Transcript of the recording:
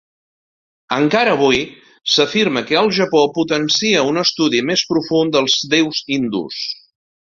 Encara avui, s'afirma que el Japó potencia un estudi més profund dels deus hindús.